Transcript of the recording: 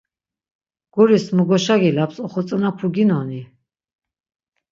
Guris mu goşagilaps oxotzonapu ginoni?